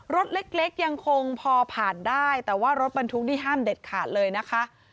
รถเล็กยังคงพอผ่านได้แต่ว่ารถบรรทุกนี่ห้ามเด็ดขาดเลยนะคะ